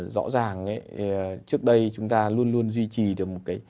rõ ràng trước đây chúng ta luôn luôn duy trì được một cái